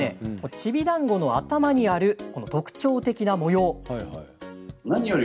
チビダンゴの頭にある特徴的な模様。